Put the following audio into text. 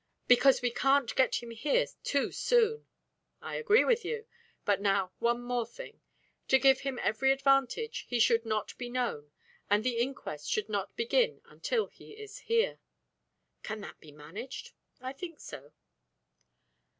"Because we can't get him here too soon." "I agree with you. And now one thing more. To give him every advantage he should not be known, and the inquest should not begin until he is here." "Can that be managed?" "I think so."